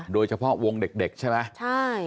โดยเฉพาะวงเด็กใช่ไหมใช่